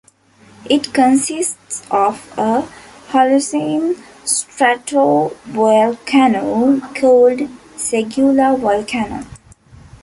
It consists of a Holocene stratovolcano, called Segula Volcano.